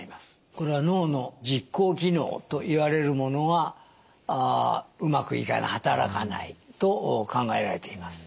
これは脳の実行機能といわれるものがうまくいかない働かないと考えられています。